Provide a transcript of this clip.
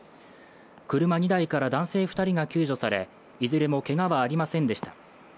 車２台から男性２人が救助され、いずれもけがはありませんでした。